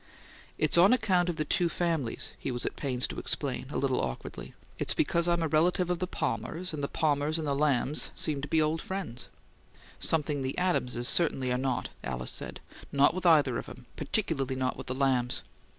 "It's on account of the two families," he was at pains to explain, a little awkwardly. "It's because I'm a relative of the Palmers, and the Palmers and the Lambs seem to be old family friends." "Something the Adamses certainly are not," Alice said. "Not with either of 'em; particularly not with the Lambs!"